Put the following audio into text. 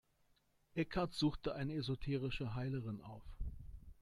Eckhart suchte eine esoterische Heilerin auf.